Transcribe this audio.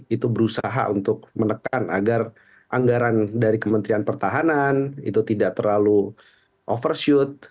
itu berusaha untuk menekan agar anggaran dari kementerian pertahanan itu tidak terlalu overshoot